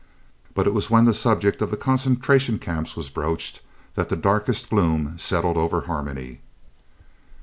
But it was when the subject of the Concentration Camps was broached that the darkest gloom settled over Harmony.